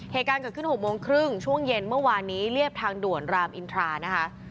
เหตุการณ์เกิดขึ้น๖โมงครึ่งช่วงเย็นเมื่อวานนี้เรียบทางด่วนรามอินทรานะคะ